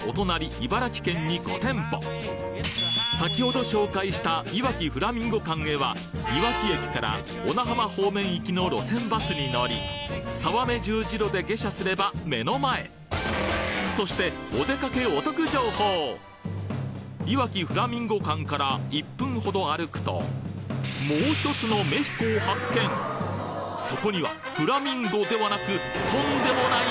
茨城県に５店舗先ほど紹介したいわきフラミンゴ館へはいわき駅から小名浜方面行きの路線バスに乗り沢目十字路で下車すれば目の前そしていわきフラミンゴ館から１分ほど歩くとそこにはフラミンゴではなくとんでもない